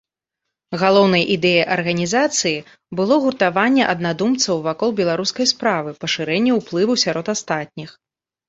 Галоўнай ідэяй арганізацыі было гуртаванне аднадумцаў вакол беларускай справы, пашырэнне ўплыву сярод астатніх.